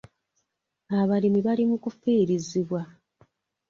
Abalimi bali mu kufiirizibwa.